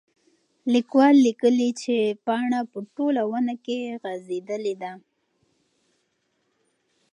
لیکوال لیکلي چې پاڼه په ټوله ونه کې غځېدلې ده.